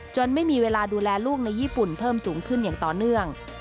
ไม่มีเวลาดูแลลูกในญี่ปุ่นเพิ่มสูงขึ้นอย่างต่อเนื่อง